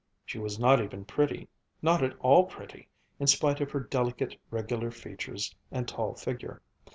She was not even pretty, not at all pretty, in spite of her delicate, regular features and tall figure.